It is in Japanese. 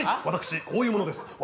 「私こういう者です」。